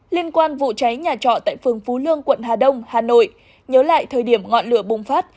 liên quan vụ cháy nhà trọ tại phường phú lương quận hà đông hà nội nhớ lại thời điểm ngọn lửa bùng phát